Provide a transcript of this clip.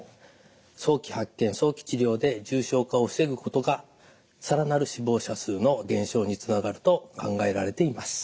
早期発見早期治療で重症化を防ぐことが更なる死亡者数の減少につながると考えられています。